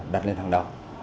đặt lên hàng đầu